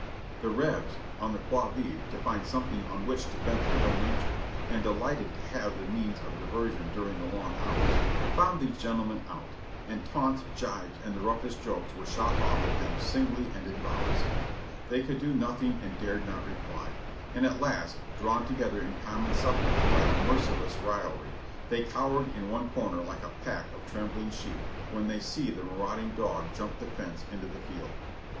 The Rebs, on the qui vive to find something on which to vent their ill nature, and delighted to have the means of diversion during the long hours, found these gentlemen out, and taunts, jibes and the roughest jokes were shot off at them singly and in volleys. They could do nothing and dared not reply; and at last, drawn 602 JOHNNY RKB AND BILI^Y YANK together in common suffering by the merciless raillery, they cow ered in one corner like a pack of trembling sheep when they see the marauding dog jump the fence into the field.